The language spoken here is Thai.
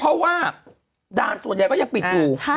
เพราะว่าด่านส่วนใหญ่ก็ยังปิดอยู่